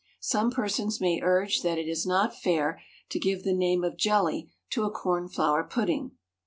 Some persons may urge that it is not fair to give the name of jelly to a corn flour pudding.